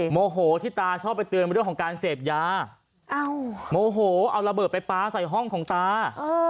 โมโหที่ตาชอบไปเตือนเรื่องของการเสพยาโมโหเอาระเบิดไปปลาใส่ห้องของตา